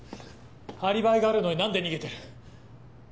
アリバイがあるのに何で逃げてる？